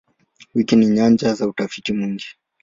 Wiki ni nyanja za utafiti mwingi.